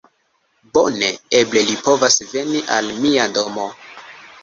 Bone! Eble li povas veni al mia domo!